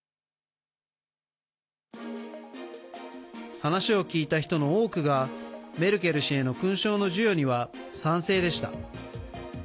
話を聞いた人の多くがメルケル氏への勲章の授与には賛成でした。